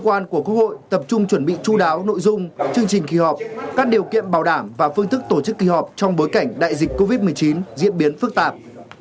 cơ quan của quốc hội tập trung chuẩn bị chú đáo nội dung chương trình kỳ họp các điều kiện bảo đảm và phương thức tổ chức kỳ họp trong bối cảnh đại dịch covid một mươi chín diễn biến phức tạp